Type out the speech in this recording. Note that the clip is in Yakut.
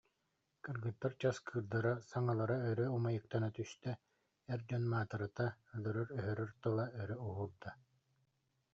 Кыргыттар часкыырдара, саҥалара өрө умайыктана түстэ, эр дьон маатырата, өлөрөр-өһөрөр тыла өрө уһуурда: